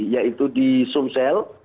yaitu di sumsel